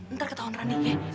ntar ketahuan rani ya